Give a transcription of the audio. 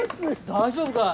大丈夫か？